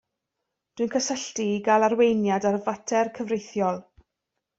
Dwi'n cysylltu i gael arweiniad ar fater cyfreithiol